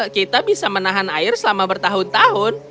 kita bisa menahan air selama bertahun tahun